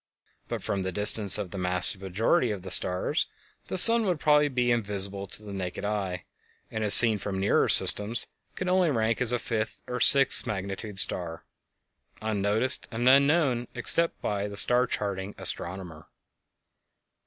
But from the distance of the vast majority of the stars the sun would probably be invisible to the naked eye, and as seen from nearer systems could only rank as a fifth or sixth magnitude star, unnoticed and unknown except by the star charting astronomer.